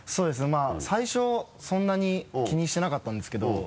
まぁ最初そんなに気にしてなかったんですけど。